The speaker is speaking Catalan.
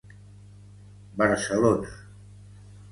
Barcelona.